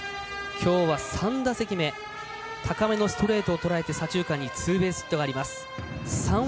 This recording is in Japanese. きょうは３打席目高めのボールを捉えて左中間にツーベースヒットがあります。